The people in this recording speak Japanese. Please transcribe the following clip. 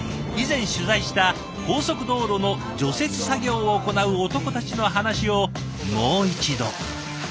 以前取材した高速道路の除雪作業を行う男たちの話をもう一度。